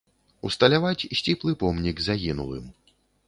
Усталяваць сціплы помнік загінулым.